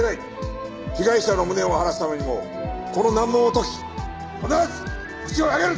被害者の無念を晴らすためにもこの難問を解き必ずホシを挙げる！